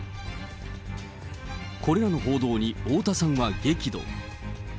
これらの報道に太田さんは激怒。